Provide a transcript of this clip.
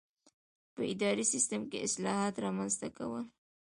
په اداري سیسټم کې اصلاحات رامنځته کول.